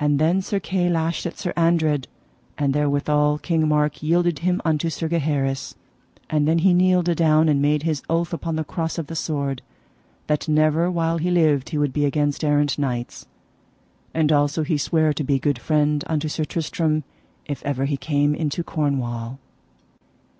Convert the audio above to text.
And then Sir Kay lashed at Sir Andred, and therewithal King Mark yielded him unto Sir Gaheris. And then he kneeled adown, and made his oath upon the cross of the sword, that never while he lived he would be against errant knights. And also he sware to be good friend unto Sir Tristram if ever he came into Cornwall.